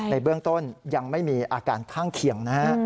ในเบื้องต้นยังไม่มีอาการข้างเคียงนะฮะ